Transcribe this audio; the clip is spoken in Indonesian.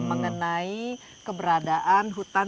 mengenai keberadaan hutan